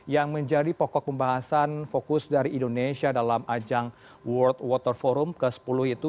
yang menjadi pokok pembahasan fokus dari indonesia dalam ajang world water forum ke sepuluh itu